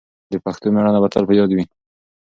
د پښتنو مېړانه به تل په یاد وي.